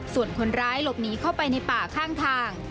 ส่วนคนร้ายหลบหนีเข้าไปในป่าข้างทาง